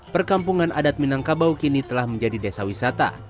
perkampungan adat minangkabau kini telah menjadi desa wisata